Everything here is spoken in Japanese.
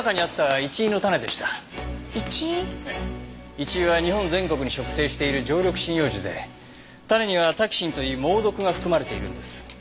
イチイは日本全国に植生している常緑針葉樹で種にはタキシンという猛毒が含まれているんです。